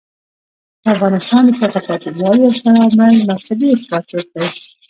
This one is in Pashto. د افغانستان د شاته پاتې والي یو ستر عامل مذهبی افراطیت دی.